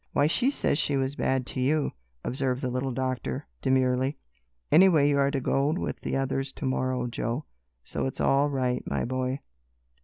"Why, she says she was bad to you," observed the little doctor, demurely; "anyway you are to go with the others to morrow, Joe, so it's all right, my boy."